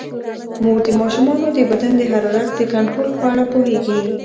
مور د ماشومانو د بدن د حرارت د کنټرول په اړه پوهیږي.